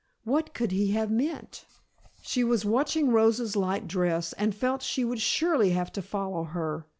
What could he have meant? She was watching Rosa's light dress and felt she would surely have to follow her.